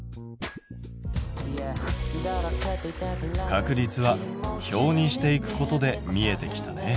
確率は表にしていくことで見えてきたね。